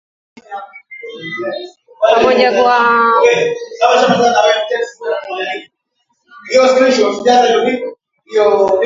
pamoja Kuwa mto mkubwa na wenye bonde